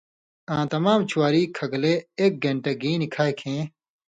آں تمام چھواری کھگلے ایک گین٘ٹہ گیں نی کھائ کھیں